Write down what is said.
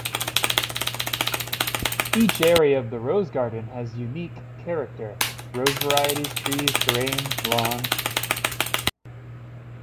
Each area of the rose garden has unique character: rose varieties, trees, terrain, lawn.